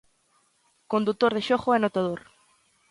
Condutor de xogo e anotador.